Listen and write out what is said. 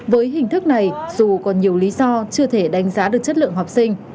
với hình thức này dù còn nhiều lý do chưa thể đánh giá